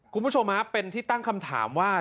คุณผู้ชมเป็นที่ตั้งคำถามว่า